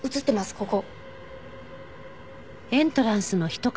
ここ。